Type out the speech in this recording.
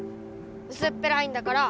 うすっぺらいんだから！